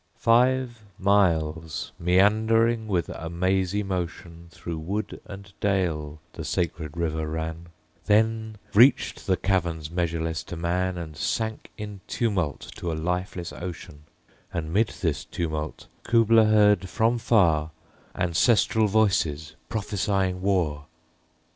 Five miles meandering with a mazy motion Through wood and dale the sacred river ran, Then reached the caverns measureless to man, And sank in tumult to a lifeless ocean: And 'mid this tumult Kubla heard from far Ancestral voices prophesying war!